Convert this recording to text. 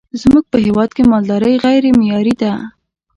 زمونږ په هیواد کی مالداری غیری معیاری ده